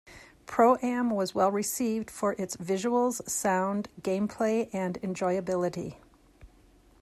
Pro-Am was well-received for its visuals, sound, gameplay, and enjoyability.